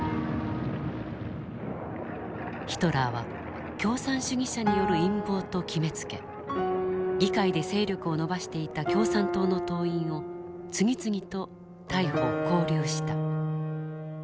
ヒトラーは共産主義者による陰謀と決めつけ議会で勢力を伸ばしていた共産党の党員を次々と逮捕勾留した。